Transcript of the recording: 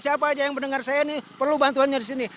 siapa aja yang mendengar saya nih perlu bantuannya di sini